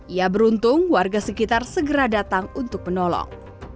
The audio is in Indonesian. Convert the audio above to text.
ia beruntung warga sekitar segera datang untuk menolong